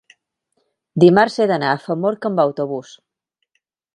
Dimarts he d'anar a Famorca amb autobús.